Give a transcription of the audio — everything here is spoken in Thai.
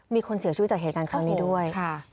มีคนเสียชีวิตจากเหตุการณ์ครั้งนี้ด้วย